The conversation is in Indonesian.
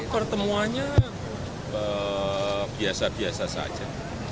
pertemuannya biasa biasa saja